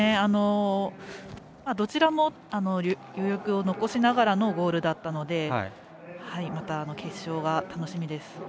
どちらも余力を残しながらのゴールだったので決勝が楽しみです。